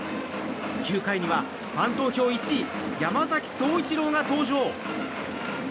９回には、ファン投票１位山崎颯一郎が登場。